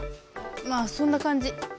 まあそんなかんじ。